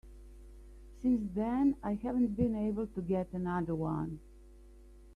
Since then I haven't been able to get another one.